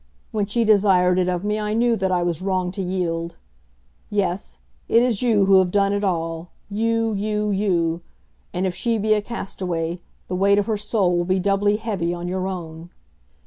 When she desired it of me I knew that I was wrong to yield. Yes; it is you who have done it all, you, you, you; and if she be a castaway, the weight of her soul will be doubly heavy on your own."